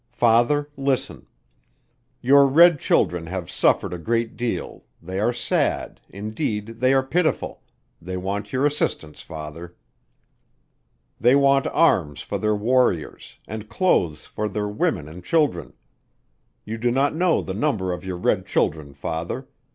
"Father Listen. Your red children have suffered a great deal, they are sad, indeed they are pitiful, they want your assistance Father. They want arms for their Warriors, and clothes for their women and children. You do not know the number of your red children Father.